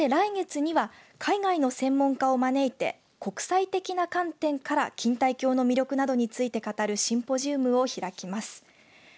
そして来月には海外の専門家を招いて国際的な観点から錦帯橋の魅力などについて語るシンポジウムを開きます。